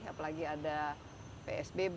apalagi ada psbb